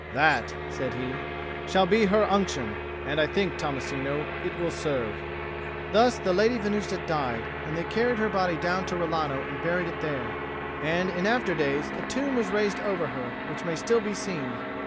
"That," said he, "shall be her Unction; and I think, Tommasino, it will serve." Thus the Lady Venusta died, and they carried her body down to Rilano and buried it there. And in after days a tomb was raised over her, which may still be seen.